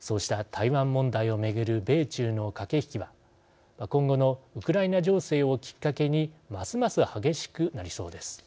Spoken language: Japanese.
そうした台湾問題をめぐる米中の駆け引きは今後のウクライナ情勢をきっかけにますます激しくなりそうです。